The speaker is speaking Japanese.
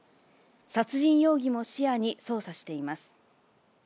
殺人容疑も視野に捜査しています。